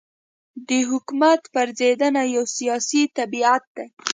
د حکومت پرځېدنه یو سیاسي طبیعت دی.